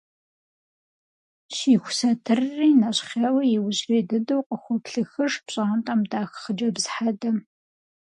Щиху сатырри нэщхъейуэ иужьрей дыдэу къыхуоплъыхыж пщӏантӏэм дах хъыджэбз хьэдэм.